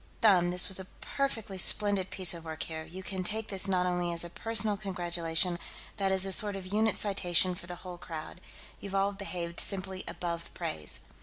Them, this was a perfectly splendid piece of work here; you can take this not only as a personal congratulation, but as a sort of unit citation for the whole crowd. You've all behaved simply above praise."